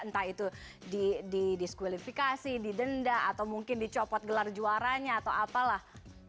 entah itu didiskualifikasi didenda atau mungkin dicopot gelar juaranya atau apalah